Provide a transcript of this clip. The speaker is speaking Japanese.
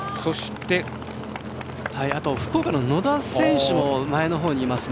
福岡の野田選手も前のほうにいますね。